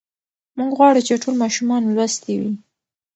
موږ غواړو چې ټول ماشومان لوستي وي.